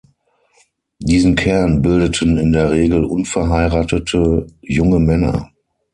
Diesen Kern bildeten in der Regel unverheiratete junge Männer.